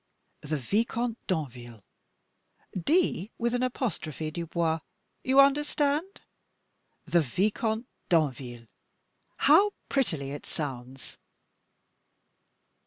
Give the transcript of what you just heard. The Vicomte D'Anville (D with an apostrophe, Dubois, you understand?), the Vicomte D'Anville how prettily it sounds!"